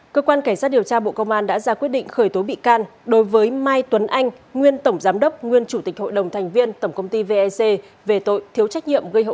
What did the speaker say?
cơ quan cảnh sát điều tra bộ công an đã ra quyết định khởi tố bị can đối với mai tuấn anh nguyên tổng giám đốc nguyên chủ tịch hội đồng thành viên tổng công ty vec về tội thiếu trách nhiệm gây hậu quả nghiêm trọng